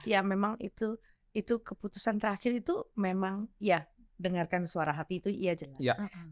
ya memang itu keputusan terakhir itu memang ya dengarkan suara hati itu iya jelas